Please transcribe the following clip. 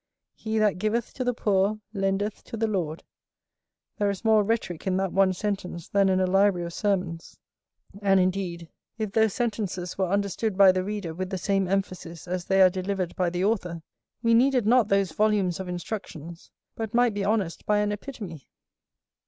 "He that giveth to the poor lendeth to the Lord:" there is more rhetorick in that one sentence than in a library of sermons. And indeed, if those sentences were understood by the reader with the same emphasis as they are delivered by the author, we needed not those volumes of instructions, but might be honest by an epitome.